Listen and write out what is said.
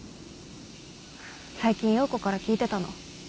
最近葉子から聞いてたの。